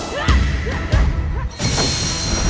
jangan menemukan aku